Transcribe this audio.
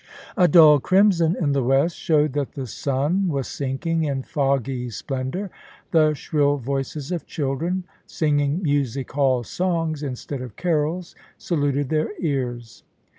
A dull crimson in the west showed that the sun was sinking in foggy splendour. The shrill voices of children, singing music hall songs instead of carols, saluted their ears.